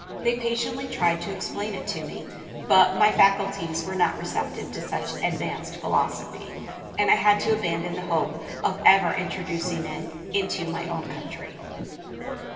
They patiently tried to explain it to me, but my faculties were not receptive to such advanced philosophy, and I had to abandon the hope of ever introducing it into my own country.